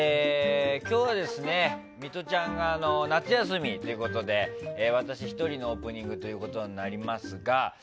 今日はですね、ミトちゃんが夏休みということで私１人のオープニングということになりますが。